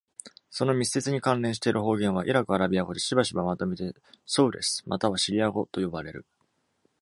その密接に関連している方言は、イラクアラビア語でしばしばまとめて、「Soureth」または「シリア語」と呼ばれる。